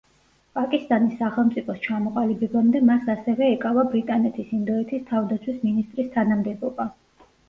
პაკისტანის სახელმწიფოს ჩამოყალიბებამდე მას ასევე ეკავა ბრიტანეთის ინდოეთის თავდაცვის მინისტრის თანამდებობა.